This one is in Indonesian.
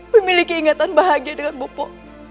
memiliki ingatan bahagia dengan bupu